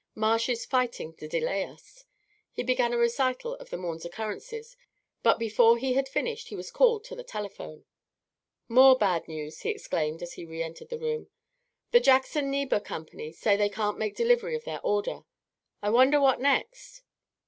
Marsh is fighting to delay us." He began a recital of the morning's occurrences, but before he had finished he was called to the telephone. "More bad news!" he exclaimed, as he re entered the room. "The Jackson Nebur Company say they can't make delivery of their order. I wonder what next."